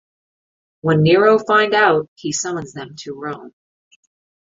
When Nero find out, he summons them to Rome.